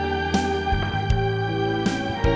jangan lupa untuk mencoba